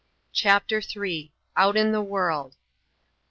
CHAPTER III. OUT IN THE WORLD.